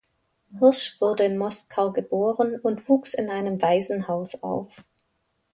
Hirsch wurde in Moskau geboren und wuchs in einem Waisenhaus auf.